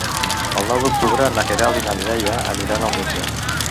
El nou d'octubre na Queralt i na Mireia aniran al metge.